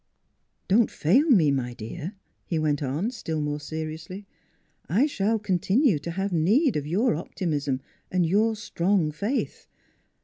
" Don't fail me, my dear," he went on, still more seriously; "I shall continue to have need of your optimism and your strong faith.